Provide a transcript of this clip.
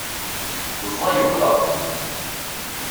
Ẓẓay ublaḍ-nni.